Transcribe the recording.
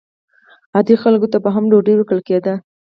عادي خلکو ته به هم ډوډۍ ورکول کېده.